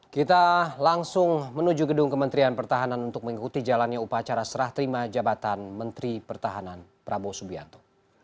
kita langsung menuju gedung kementerian pertahanan untuk mengikuti jalannya upacara serah terima jabatan menteri pertahanan prabowo subianto